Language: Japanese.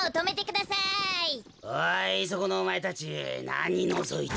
おいそこのおまえたちなにのぞいてる？